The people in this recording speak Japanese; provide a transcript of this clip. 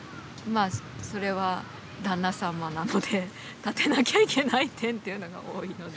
あそれは旦那様なので立てなきゃいけない点っていうのが多いので。